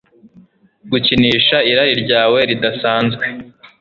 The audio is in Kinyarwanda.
gukinisha irari ryawe ridasanzwe